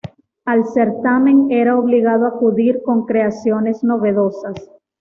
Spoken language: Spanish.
Al certamen era obligado acudir con creaciones novedosas.